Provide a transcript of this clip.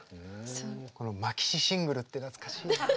このマキシシングルって懐かしい。